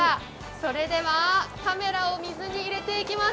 それではカメラを水に入れていきます。